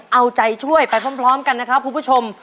เอาใจช่วยไปพร้อมกันนะครับคุณผู้ชม